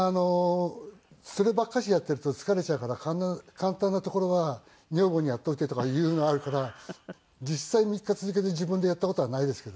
そればっかりやっていると疲れちゃうから簡単なところは女房に「やっといて」とかいうのあるから実際３日続けて自分でやった事はないですけどね。